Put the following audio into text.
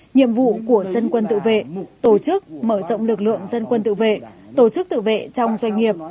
nhiệm vụ của dân quân tự vệ tổ chức mở rộng lực lượng dân quân tự vệ tổ chức tự vệ trong doanh nghiệp